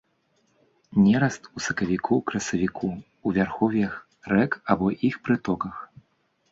Нераст у сакавіку-красавіку ў вярхоўях рэк або іх прытоках.